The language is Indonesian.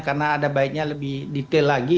karena ada baiknya lebih detail lagi